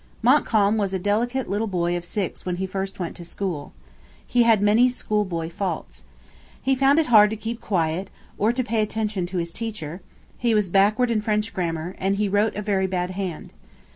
Montcalm was a delicate little boy of six when he first went to school. He had many schoolboy faults. He found it hard to keep quiet or to pay attention to his teacher; he was backward in French grammar; and he wrote a very bad hand.